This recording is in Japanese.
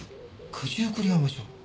九十九里浜署？